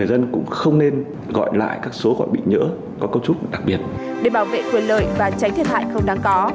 để bảo vệ quyền lợi và tránh thiệt hại không đáng có